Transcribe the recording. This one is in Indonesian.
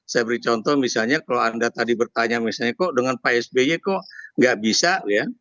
saya beri contoh misalnya kalau anda tadi bertanya misalnya kok dengan pak sby kok nggak bisa ya